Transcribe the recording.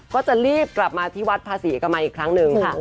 ก็จะรีบกลับมาที่วัดภาษีเอกมัยอีกครั้งหนึ่งค่ะ